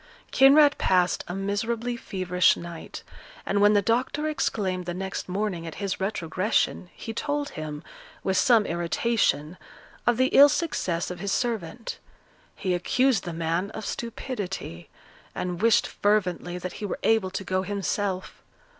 Kinraid passed a miserably feverish night, and when the doctor exclaimed the next morning at his retrogression, he told him, with some irritation, of the ill success of his servant; he accused the man of stupidity, and wished fervently that he were able to go himself.